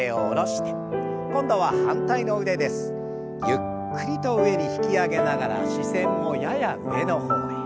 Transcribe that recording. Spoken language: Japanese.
ゆっくりと上に引き上げながら視線もやや上の方へ。